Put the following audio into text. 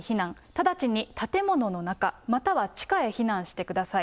直ちに建物の中、または地下へ避難してください。